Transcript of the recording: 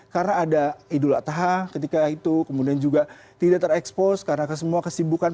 karena ada idul ataha ketika itu kemudian juga tidak terekspos karena semua kesibukan